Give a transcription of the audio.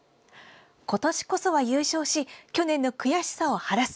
今年こそは優勝し去年の悔しさを晴らす。